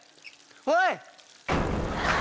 おい！